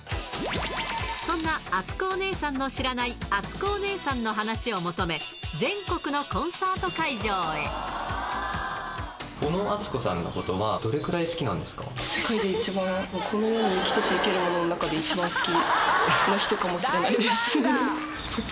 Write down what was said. そんなあつこお姉さんの知らないあつこお姉さんの話を求め、小野あつこさんのことは、世界で一番、この世に生きとし生けるものの中で一番好きな人かもしれないです。